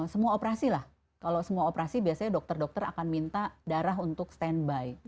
semua operasi lah kalau semua operasi biasanya dokter dokter akan minta darah untuk standby